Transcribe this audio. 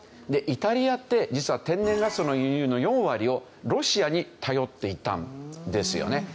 イタリアって実は天然ガスの輸入の４割をロシアに頼っていたんですよね。